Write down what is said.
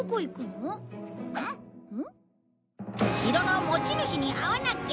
城の持ち主に会わなきゃ。